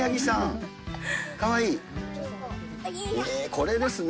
これですね。